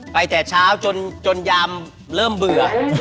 ไปแต่เช้าจนยามเริ่มเบื่อ